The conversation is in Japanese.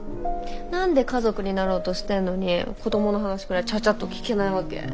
何で家族になろうとしてんのに子どもの話くらいちゃっちゃっと聞けないわけ？